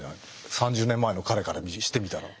３０年前の彼からしてみたら。